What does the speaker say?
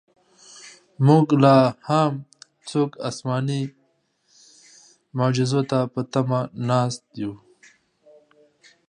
موږ لاهم څوک اسماني معجزو ته په تمه ناست یو.